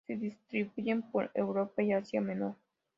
Se distribuyen por Europa y Asia Menor.